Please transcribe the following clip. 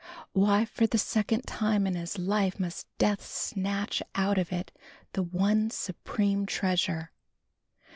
Why for the second time in his life must death snatch out of it the one supreme treasure?